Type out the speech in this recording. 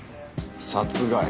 殺害。